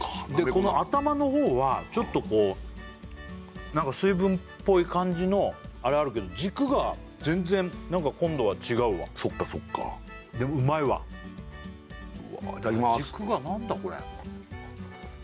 この頭の方はちょっとこう何か水分っぽい感じのあれはあるけど軸が全然今度は違うわそっかそっかでうまいわいただきまーす軸が何だこれ？